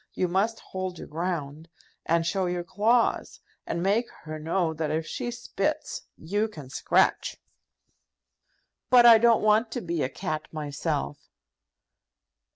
You must hold your ground, and show your claws, and make her know that if she spits, you can scratch." "But I don't want to be a cat myself."